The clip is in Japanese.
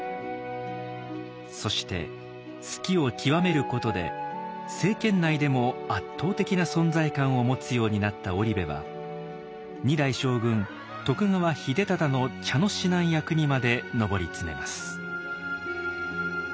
そして数寄を究めることで政権内でも圧倒的な存在感を持つようになった織部は二代将軍徳川秀忠の茶の指南役にまで上り詰めます。